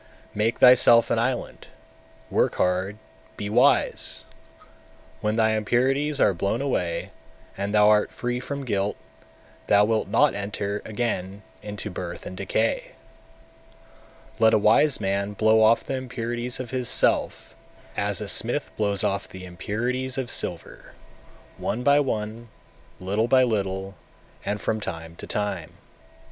238. Make thyself an island, work hard, be wise! When thy impurities are blown away, and thou art free from guilt, thou wilt not enter again into birth and decay. 239. Let a wise man blow off the impurities of his self, as a smith blows off the impurities of silver one by one, little by little, and from time to time. 240.